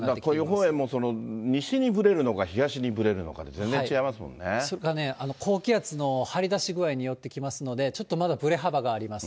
予報円も、西にぶれるのか、東にぶれるのかで全然それがね、高気圧の張り出し具合によってきますので、ちょっとまだぶれ幅があります。